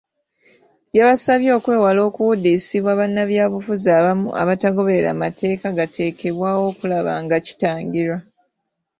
Yabasabye okwewala okuwuudisibwa bannabyabufuzi abamu abatagoberera mateeka gateekebwawo okulaba nga kitangirwa.